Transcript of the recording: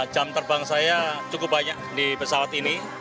jam terbang saya cukup banyak di pesawat ini